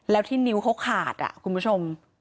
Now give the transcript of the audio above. แล้วที่นิ้วเขาขาดคุณผู้ชม